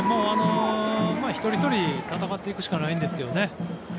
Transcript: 一人ひとり戦っていくしかないんですけどね。